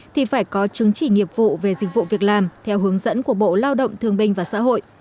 thì phải có chứng chỉ nghiệp vụ về dịch vụ việc làm theo hướng dẫn của bộ lao động thương binh và xã hội